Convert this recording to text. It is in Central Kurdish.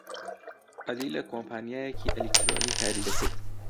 عەلی لە کۆمپانیایەکی ئەلیکترۆنی کاری دەکرد.